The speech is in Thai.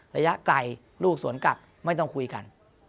ระยะไกลลูกสวนกลับไม่ต้องคุยกัน